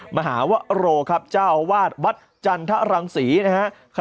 มหาวโรครับเจ้าอาวาสวัดจันทรังศรีนะครับ